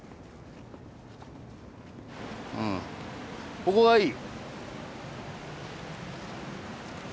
うんここがいい。